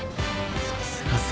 さすが先輩。